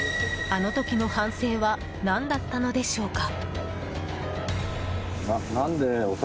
あの時の反省は何だったのでしょうか。